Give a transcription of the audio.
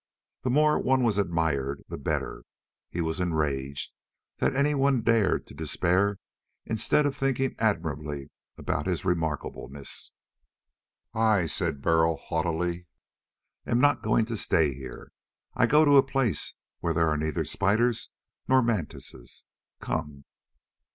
The more one was admired, the better. He was enraged that anyone dared to despair instead of thinking admiringly about his remarkableness. "I," said Burl haughtily, "am not going to stay here. I go to a place where there are neither spiders nor mantises. Come!"